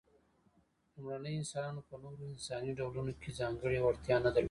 لومړنيو انسانانو په نورو انساني ډولونو کې ځانګړې وړتیا نه درلودلې.